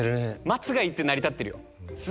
松がいて成り立ってるよ。